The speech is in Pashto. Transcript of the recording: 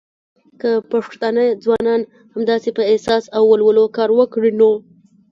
که پښتانه ځوانان همداسې په احساس او ولولو کار وکړی نو